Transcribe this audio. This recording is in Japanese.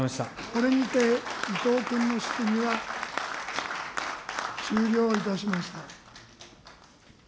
これにて伊藤君の質疑は終了いたしました。